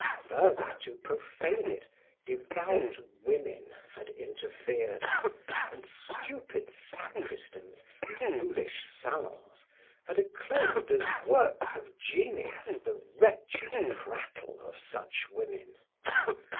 Further to profane it, devout women had interfered, and stupid sacristans and foolish salons had acclaimed as works of genius the wretched prattle of such women.